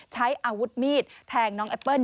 ใช้อาวุธมีดแทงน้องแอปเปิ้ล